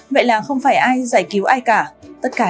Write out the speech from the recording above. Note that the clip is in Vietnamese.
vậy là không phải ai giải cứu ai cả